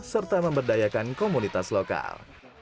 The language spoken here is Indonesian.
serta memberdayakan komunitas lokal